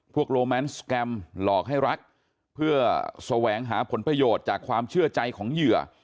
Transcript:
โลแมนสแกรมหลอกให้รักเพื่อแสวงหาผลประโยชน์จากความเชื่อใจของเหยื่อ